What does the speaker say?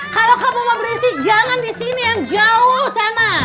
kalau kamu mau berisik jangan di sini yang jauh sama